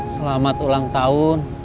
selamat ulang tahun